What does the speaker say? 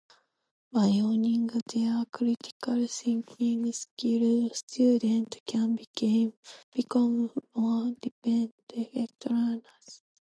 By honing their critical thinking skills, students can become more independent and effective learners.